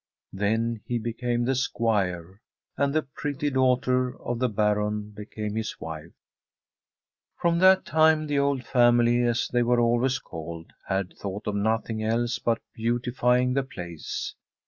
Then he became the Squire, and the pretty daughter of the Baron became his wife. From that time the old family, as they were always called, had thought of nothing else but beautifying the place.